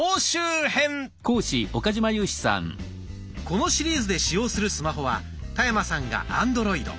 このシリーズで使用するスマホは田山さんがアンドロイド。